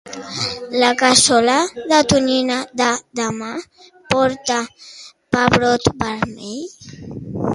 La cassola de tonyina de demà porta pebrot vermell?